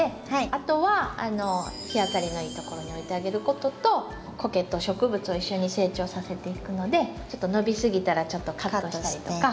あとは日当たりのいいところに置いてあげることとコケと植物を一緒に成長させていくのでちょっと伸びすぎたらちょっとカットしたりとか。